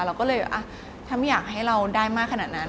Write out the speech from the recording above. เราก็เลยถ้าไม่อยากให้เราได้มากขนาดนั้น